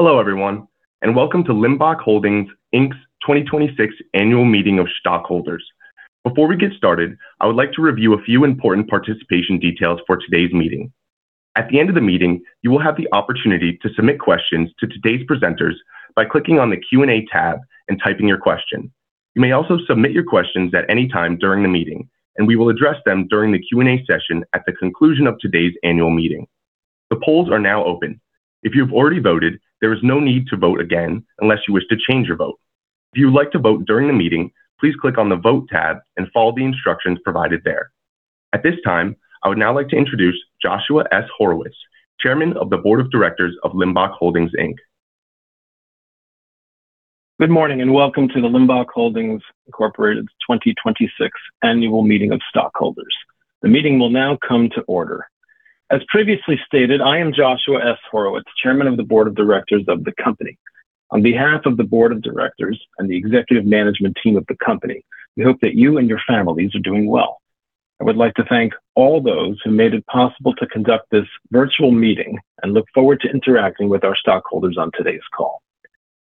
Hello, everyone, and welcome to Limbach Holdings, Inc.'s 2026 annual meeting of stockholders. Before we get started, I would like to review a few important participation details for today's meeting. At the end of the meeting, you will have the opportunity to submit questions to today's presenters by clicking on the Q&A tab and typing your question. You may also submit your questions at any time during the meeting, and we will address them during the Q&A session at the conclusion of today's annual meeting. The polls are now open. If you have already voted, there is no need to vote again unless you wish to change your vote. If you would like to vote during the meeting, please click on the Vote tab and follow the instructions provided there. At this time, I would now like to introduce Joshua S. Horowitz, Chairman of the Board of Directors of Limbach Holdings, Inc. Good morning, and welcome to the Limbach Holdings Incorporated 2026 annual meeting of stockholders. The meeting will now come to order. As previously stated, I am Joshua S. Horowitz, Chairman of the Board of Directors of the company. On behalf of the board of directors and the executive management team of the company, we hope that you and your families are doing well. I would like to thank all those who made it possible to conduct this virtual meeting and look forward to interacting with our stockholders on today's call.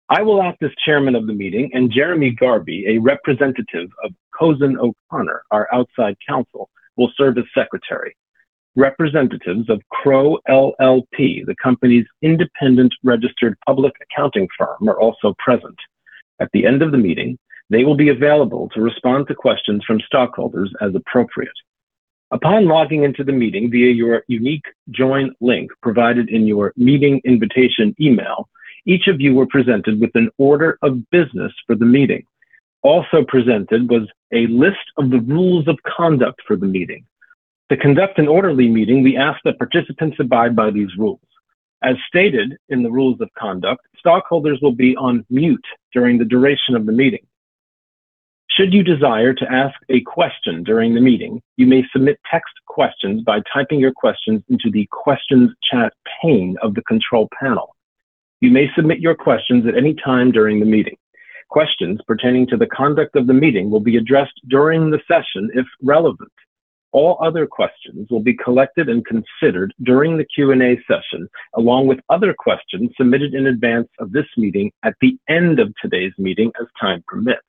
I will act as chairman of the meeting, and Jeremy Garvey, a representative of Cozen O'Connor, our outside counsel, will serve as secretary. Representatives of Crowe LLP, the company's independent registered public accounting firm, are also present. At the end of the meeting, they will be available to respond to questions from stockholders as appropriate. Upon logging in to the meeting via your unique join link provided in your meeting invitation email, each of you were presented with an order of business for the meeting. Also presented was a list of the rules of conduct for the meeting. To conduct an orderly meeting, we ask that participants abide by these rules. As stated in the rules of conduct, stockholders will be on mute during the duration of the meeting. Should you desire to ask a question during the meeting, you may submit text questions by typing your questions into the questions chat pane of the control panel. You may submit your questions at any time during the meeting. Questions pertaining to the conduct of the meeting will be addressed during the session if relevant. All other questions will be collected and considered during the Q&A session, along with other questions submitted in advance of this meeting at the end of today's meeting as time permits.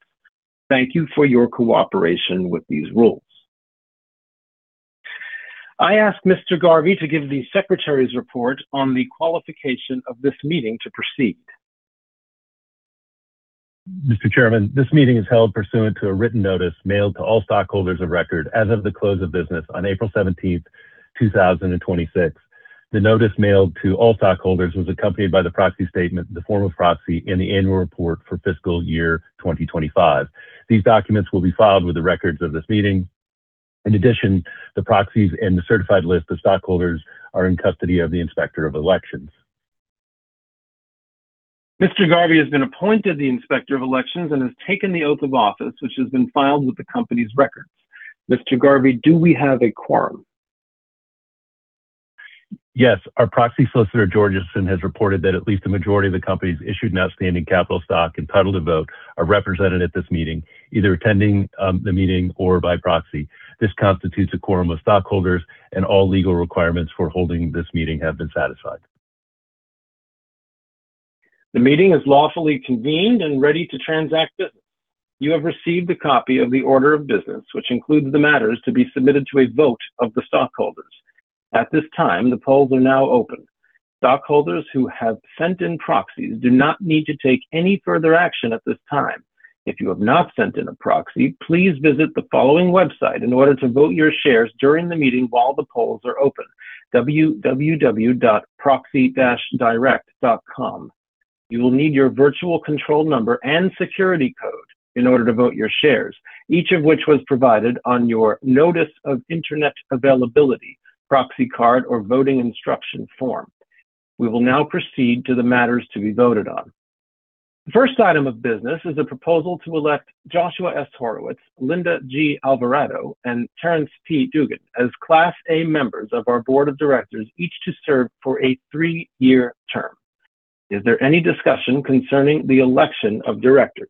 Thank you for your cooperation with these rules. I ask Mr. Garvey to give the secretary's report on the qualification of this meeting to proceed. Mr. Chairman, this meeting is held pursuant to a written notice mailed to all stockholders of record as of the close of business on April 17th, 2026. The notice mailed to all stockholders was accompanied by the proxy statement, the form of proxy, and the annual report for fiscal year 2025. These documents will be filed with the records of this meeting. In addition, the proxies and the certified list of stockholders are in custody of the Inspector of Elections. Mr. Garvey has been appointed the Inspector of Elections and has taken the oath of office, which has been filed with the company's records. Mr. Garvey, do we have a quorum? Yes. Our proxy solicitor, Georgeson, has reported that at least a majority of the company's issued and outstanding capital stock entitled to vote are represented at this meeting, either attending the meeting or by proxy. This constitutes a quorum of stockholders, and all legal requirements for holding this meeting have been satisfied. The meeting is lawfully convened and ready to transact business. You have received a copy of the order of business, which includes the matters to be submitted to a vote of the stockholders. At this time, the polls are now open. Stockholders who have sent in proxies do not need to take any further action at this time. If you have not sent in a proxy, please visit the following website in order to vote your shares during the meeting while the polls are open, www.proxy-direct.com. You will need your virtual control number and security code in order to vote your shares, each of which was provided on your Notice of Internet Availability, proxy card, or voting instruction form. We will now proceed to the matters to be voted on. The first item of business is a proposal to elect Joshua S. Horowitz, Linda G. Alvarado, and Terence P. Dugan as Class A members of our board of directors, each to serve for a three-year term. Is there any discussion concerning the election of directors?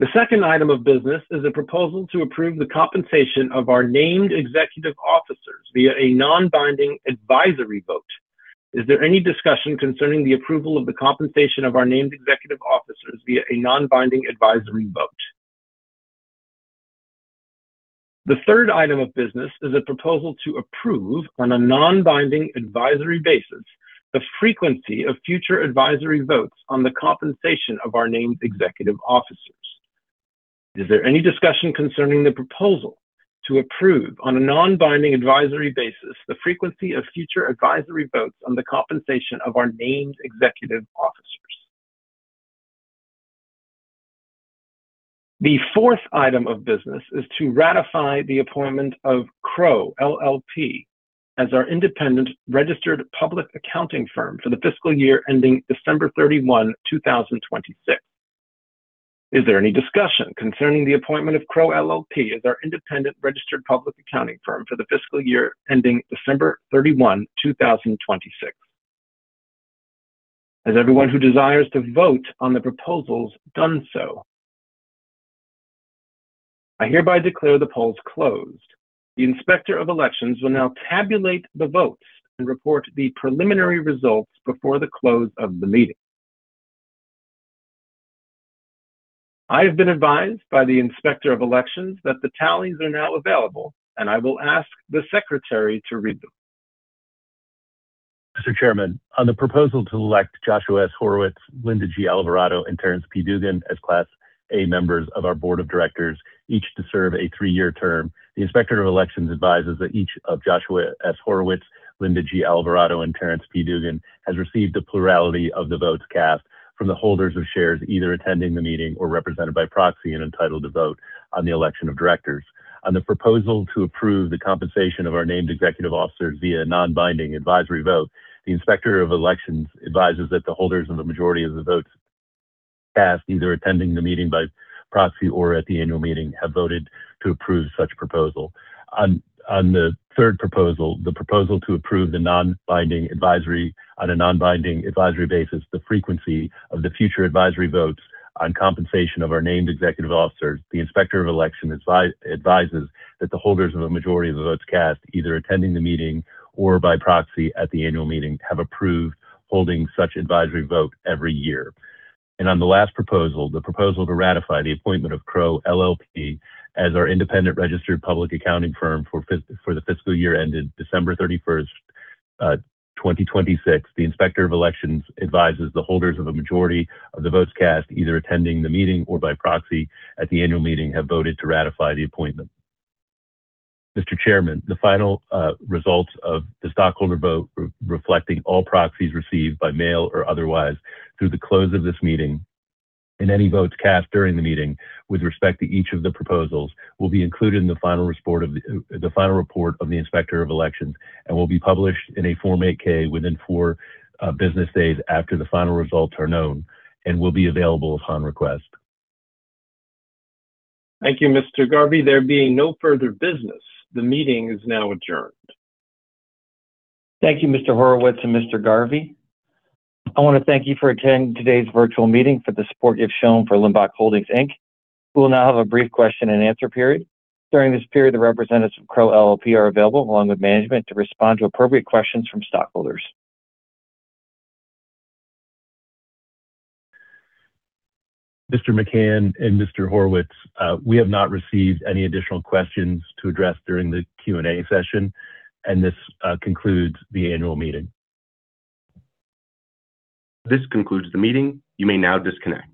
The second item of business is a proposal to approve the compensation of our named executive officers via a non-binding advisory vote. Is there any discussion concerning the approval of the compensation of our named executive officers via a non-binding advisory vote? The third item of business is a proposal to approve, on a non-binding advisory basis, the frequency of future advisory votes on the compensation of our named executive officers. Is there any discussion concerning the proposal to approve, on a non-binding advisory basis, the frequency of future advisory votes on the compensation of our named executive officers? The fourth item of business is to ratify the appointment of Crowe LLP as our independent registered public accounting firm for the fiscal year ending December 31, 2026. Is there any discussion concerning the appointment of Crowe LLP as our independent registered public accounting firm for the fiscal year ending December 31, 2026? Has everyone who desires to vote on the proposals done so? I hereby declare the polls closed. The Inspector of Elections will now tabulate the votes and report the preliminary results before the close of the meeting. I have been advised by the Inspector of Elections that the tallies are now available, and I will ask the secretary to read them. Mr. Chairman, on the proposal to elect Joshua S. Horowitz, Linda G. Alvarado, and Terence P. Dugan as Class A members of our board of directors, each to serve a three-year term, the Inspector of Elections advises that each of Joshua S. Horowitz, Linda G. Alvarado, and Terence P. Dugan has received a plurality of the votes cast from the holders of shares either attending the meeting or represented by proxy and entitled to vote on the election of directors. On the proposal to approve the compensation of our named executive officers via non-binding advisory vote, the Inspector of Elections advises that the holders of the majority of the votes cast, either attending the meeting by proxy or at the annual meeting, have voted to approve such proposal. On the third proposal, the proposal to approve on a non-binding advisory basis the frequency of the future advisory votes on compensation of our named executive officers, the Inspector of Election advises that the holders of the majority of the votes cast, either attending the meeting or by proxy at the annual meeting, have approved holding such advisory vote every year. On the last proposal, the proposal to ratify the appointment of Crowe LLP as our independent registered public accounting firm for the fiscal year ended December 31st, 2026, the Inspector of Elections advises the holders of the majority of the votes cast, either attending the meeting or by proxy at the annual meeting, have voted to ratify the appointment. Mr. Chairman, the final results of the stockholder vote reflecting all proxies received by mail or otherwise through the close of this meeting and any votes cast during the meeting with respect to each of the proposals will be included in the final report of the Inspector of Elections and will be published in a Form 8-K within four business days after the final results are known and will be available upon request. Thank you, Mr. Garvey. There being no further business, the meeting is now adjourned. Thank you, Mr. Horowitz and Mr. Garvey. I want to thank you for attending today's virtual meeting for the support you've shown for Limbach Holdings, Inc. We will now have a brief question and answer period. During this period, the representatives from Crowe LLP are available, along with management, to respond to appropriate questions from stockholders. Mr. McCann and Mr. Horowitz, we have not received any additional questions to address during the Q&A session. This concludes the annual meeting. This concludes the meeting. You may now disconnect.